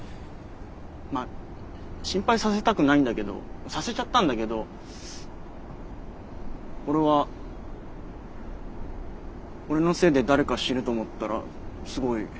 まあ心配させたくないんだけどさせちゃったんだけど俺は俺のせいで誰か死ぬと思ったらすごいきつかった。